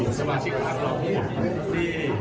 ที่ต้องมาลำบากนะครับแล้วก็มารุ้นเรื้อทึ่ง